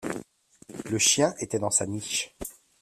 le chien était dans sa niche.